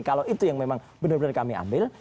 karena memang benar benar kami ambil